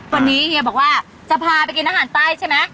วันนี้เฮียบอกว่าจะพาไปกินอาหารใต้ใช่ไหม